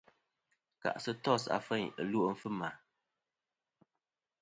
Kà'sɨ tos afeyn ɨlwe' fɨma.